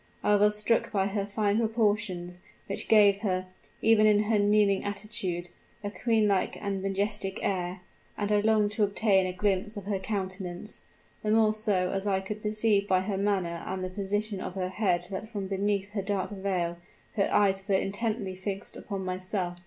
I was struck by her fine proportions, which gave her, even in her kneeling attitude, a queen like and majestic air; and I longed to obtain a glimpse of her countenance the more so as I could perceive by her manner and the position of her head that from beneath her dark veil her eyes were intently fixed upon myself.